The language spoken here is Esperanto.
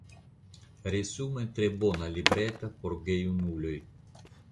Resume tre bona libreto por gejunuloj.